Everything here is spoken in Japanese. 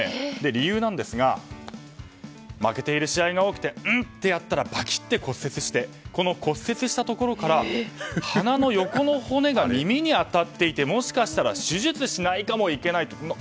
理由ですが負けている試合が多くてンッてやったらバキって骨折してこの骨折したところから鼻の横の骨が耳に当たっていて、もしかしたら手術しないといけないかもしれないと。